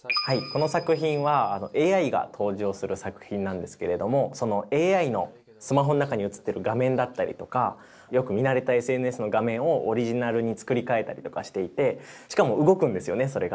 この作品はＡＩが登場する作品なんですけれどもそのＡＩのスマホの中に映ってる画面だったりとかよく見慣れたＳＮＳの画面をオリジナルに作り替えたりとかしていてしかも動くんですよねそれが。